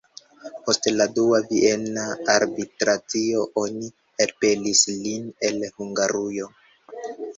Post la dua Viena arbitracio oni elpelis lin el Hungarujo.